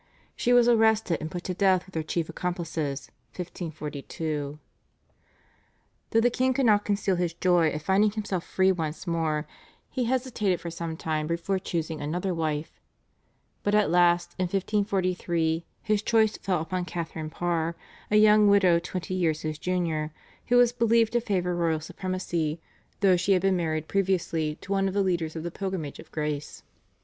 She was arrested and put to death with her chief accomplices (1542). Though the king could not conceal his joy at finding himself free once more, he hesitated for some time before choosing another wife; but at last in 1543, his choice fell upon Catharine Parr, a young widow twenty years his junior, who was believed to favour royal supremacy, though she had been married previously to one of the leaders of the Pilgrimage of Grace.